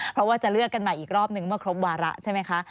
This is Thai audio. เพราะว่าจะเลือกกันใหม่อีกรอบนึงเมื่อครบวาระใช่ไหมคะ